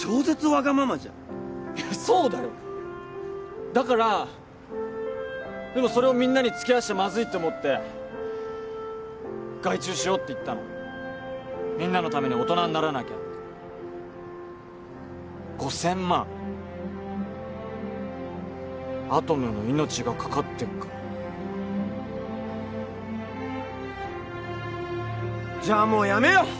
ワガママじゃんいやそうだよだからでもそれをみんなにつきあわせちゃまずいって思って外注しようって言ったのみんなのために大人にならなきゃって５０００万アトムの命がかかってっからじゃあもうやめよう！